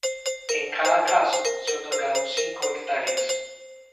En cada caso se otorgaron cinco hectáreas.